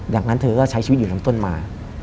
จากนั้นเธอก็ใช้ชีวิตอยู่ลำต้นมา